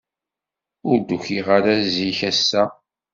Ur d-ukiɣ ara zik ass-a.